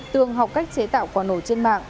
tường học cách chế tạo quả nổ trên mạng